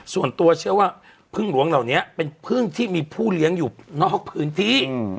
ส่วนตัวเชื่อว่าพึ่งหลวงเหล่านี้เป็นพึ่งที่มีผู้เลี้ยงอยู่นอกพื้นที่